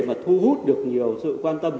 mà thu hút được nhiều sự quan tâm